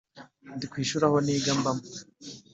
ndi ku ishuri aho niga mbamo.